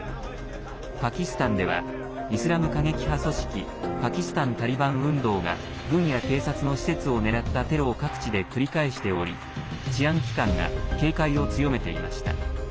パキスタンではイスラム過激派組織パキスタン・タリバン運動が軍や警察の施設を狙ったテロを各地で繰り返しており治安機関が警戒を強めていました。